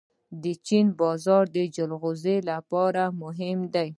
د چین بازار د جلغوزیو لپاره مهم دی.